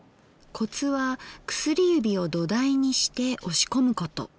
コツは薬指を土台にして押し込むこと。